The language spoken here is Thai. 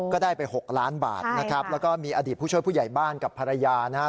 ก็ได้ไป๖ล้านบาทนะครับแล้วก็มีอดีตผู้ช่วยผู้ใหญ่บ้านกับภรรยานะครับ